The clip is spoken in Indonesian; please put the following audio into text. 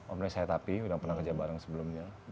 om resetapi udah pernah kerja bareng sebelumnya